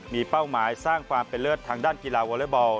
มีเป้าหมายสร้างความเป็นเลิศทางด้านกีฬาวอเลอร์บอล